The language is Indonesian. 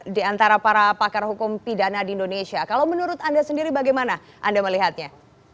di antara para pakar hukum pidana di indonesia kalau menurut anda sendiri bagaimana anda melihatnya